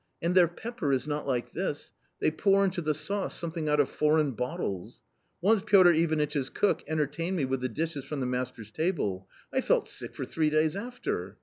And their pepper is not like this ; they pour into the sauce something out of foreign bottles. Once Piotr Ivanitch's cook entertained me with the dishes from the master's table ; I felt sick for three days after.